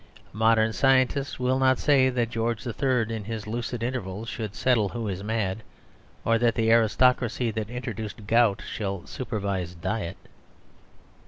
Modern scientists will not say that George III., in his lucid intervals, should settle who is mad; or that the aristocracy that introduced gout shall supervise diet.